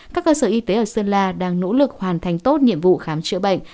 các cơ sở y tế ở sơn la đang nỗ lực hoàn thành tốt nhiệm vụ khám chữa bệnh